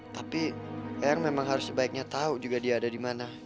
tapi eyang memang harus sebaiknya tahu juga dia ada di mana